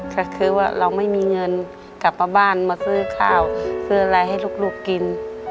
ก็คือว่าเราไม่มีเงินกลับมาบ้านมาซื้อข้าวซื้ออะไรให้ลูกกิน